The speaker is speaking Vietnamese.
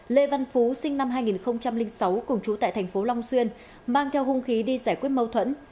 lê văn phú sinh năm hai nghìn sáu cùng trú tại thành phố long xuyên mang theo hung khí đi giải quyết mâu thuẫn